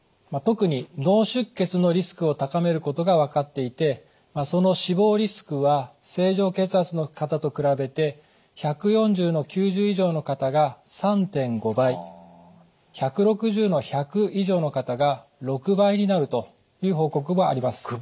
特に脳出血のリスクを高めることが分かっていてその死亡リスクは正常血圧の方と比べて１４０／９０以上の方が３．５倍１６０／１００以上の方が６倍になるという報告もあります。